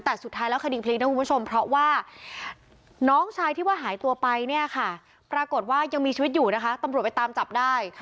แต่สุดท้ายแล้วคดีพลิกนะคุณผู้ชมเพราะว่าน้องชายที่ว่าหายตัวไปเนี่ยค่ะปรากฏว่ายังมีชีวิตอยู่นะคะตำรวจไปตามจับได้